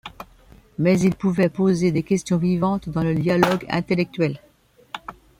Mais il pouvait poser des questions vivantes dans le dialogue intellectuel.